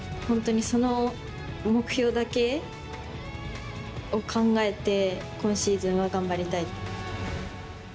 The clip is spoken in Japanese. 本当にその目標だけを考えて、今シーズンは頑張りたい。